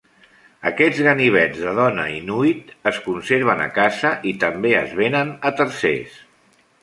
Aquests ganivets de dona inuit es conserven a casa i també es venen a tercers.